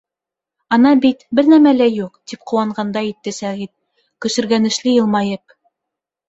— Ана бит, бер нәмә лә юҡ, тип ҡыуанғандай итте Сәғит, көсөргәнешле йылмайып.